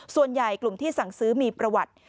ส่วนใหญ่กลุ่มที่สั่งซื้อมีประวัติ